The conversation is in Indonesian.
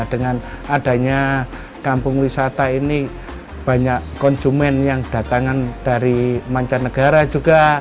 dengan adanya kampung wisata ini banyak konsumen yang datangan dari mancanegara juga